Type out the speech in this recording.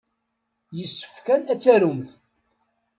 Yessefk kan ad tarumt.